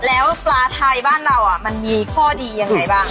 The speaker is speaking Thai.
แล้วปลาไทยบ้านเรามันมีข้อดียังไงบ้าง